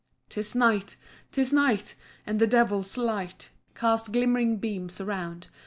"'Tis night! 'tis night! and the devil's light Casts glimmering beams around.